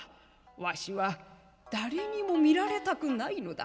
わしは誰にも見られたくないのだ。